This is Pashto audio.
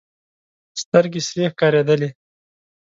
سترګې سرې ښکارېدلې.